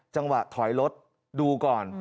จังหวะถอยรถดูก่อน